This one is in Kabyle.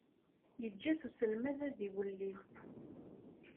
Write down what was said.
Yeǧǧa-t uselmad ad iwelli.